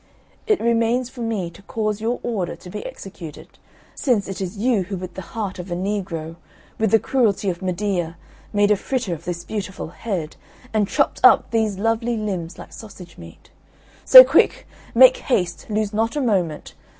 It remains for me to cause your order to be executed, since it is you who with the heart of a negro, with the cruelty of Medea, made a fritter of this beautiful head, and chopped up these lovely limbs like sausage meat. So quick, make haste, lose not a moment!